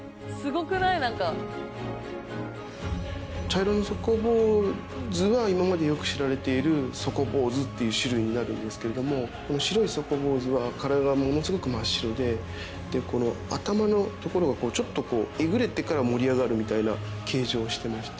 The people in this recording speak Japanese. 茶色のソコボウズは今までよく知られているソコボウズっていう種類になるんですけれども白いソコボウズは体がものすごく真っ白で頭のところがちょっとえぐれてから盛り上がるみたいな形状をしてる。